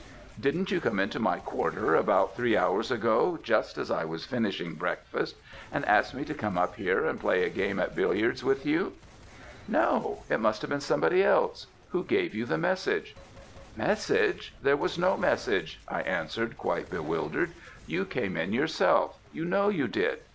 Didn't you come into my quarter about three hours ago, just as I was finishing breakfast, and ask me to come up here and play a game at billiards with you?' "'No; it must have been somebody else. Who gave you the message?' "'Message! there was no message,' I answered, quite bewildered. 'You came in yourself you know you did.